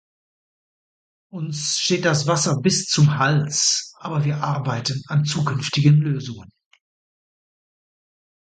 Uns steht das Wasser bis zum Hals, aber wir arbeiten an zukünftigen Lösungen.